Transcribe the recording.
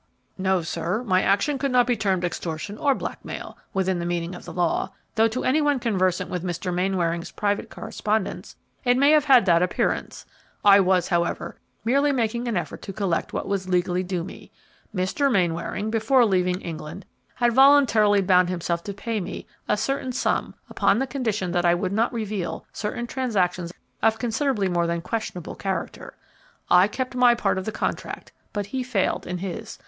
"No, sir; my action could not be termed extortion or blackmail within the meaning of the law, though to any one conversant with Mr. Mainwaring's private correspondence it may have had that appearance. I was, however, merely making an effort to collect what was legally due me. Mr. Mainwaring, before leaving England, had voluntarily bound himself to pay me a certain sum upon the condition that I would not reveal certain transactions of considerably more than questionable character. I kept my part of the contract, but he failed in his.